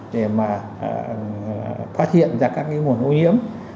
để mà phát hiện ra các nguồn ô nhiễm